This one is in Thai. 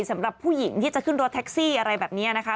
สำหรับผู้หญิงที่จะขึ้นรถแท็กซี่อะไรแบบนี้นะคะ